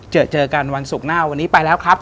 เจอเจอกันวันศุกร์หน้าวันนี้ไปแล้วครับ